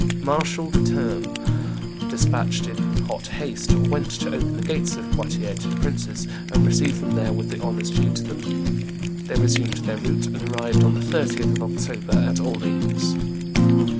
Marshal de Termes, despatched in hot haste, went to open the gates of Poitiers to the princes, and receive them there with the honors due to them. They resumed their route, and arrived on the 30th of October at Orleans.